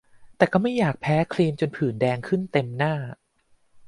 แต่ก็ไม่อยากแพ้ครีมจนผื่นแดงขึ้นเต็มหน้า